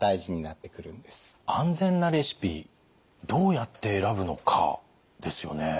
安全なレシピどうやって選ぶのかですよね。